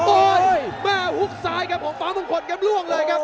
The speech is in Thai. โอ้โหแม่ฮุกซ้ายครับของฟ้ามงคลครับล่วงเลยครับ